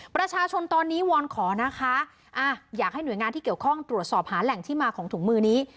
ประชาชนตอนนี้วอนขอนะคะอยากให้หน่วยงานที่เกี่ยวข้องตรวจสอบหาแหล่งที่มาของถุงมือนี้